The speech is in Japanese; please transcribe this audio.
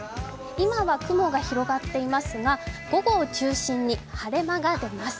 今は雲が広がっていますが午後を中心に晴れ間が出ます。